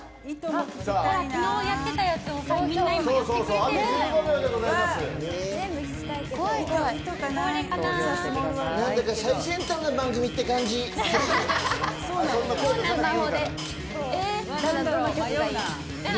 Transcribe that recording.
昨日やってたやつを皆、今やってくれている。